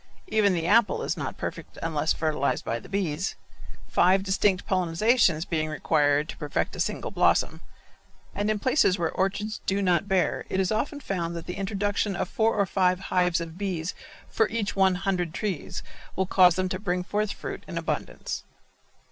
Even the apple is not perfect unless fertilized by the bees, five distinct pollenizations being required to perfect a single blossom, and in places where orchards do not bear it is often found that the introduction of four or five hives of bees for each one hundred trees will cause them to bring forth fruit in abundance.